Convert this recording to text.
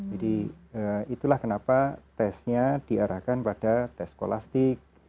jadi itulah kenapa testnya diarahkan pada test kolastik